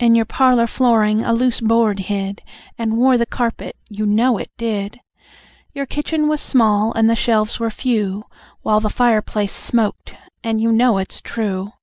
"In your parlour flooring a loose board hid, And wore the carpet, you know it did! Your kitchen was small, and the shelves were few, While the fireplace smoked and you know it's true!"